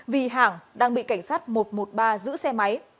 vì hàng đang bị cảnh sát một trăm một mươi ba giữ xe máy